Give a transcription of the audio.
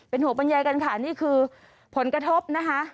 หัวปัญญากันค่ะนี่คือผลกระทบนะคะ